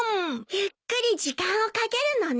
ゆっくり時間をかけるのね。